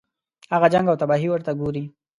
هغه جنګ او تباهي ورته ګوري.